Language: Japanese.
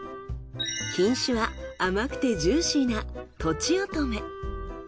品種は甘くてジューシーなとちおとめ。